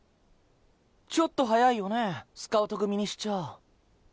ちょっと早いよねスカウト組にしちゃあ。